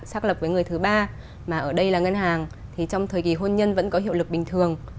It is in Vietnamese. xác lập với người thứ ba mà ở đây là ngân hàng thì trong thời kỳ hôn nhân vẫn có hiệu lực bình thường